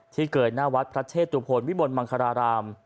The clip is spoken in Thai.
เกยหน้าวัดพระเชตุพลวิบลมังคาราราม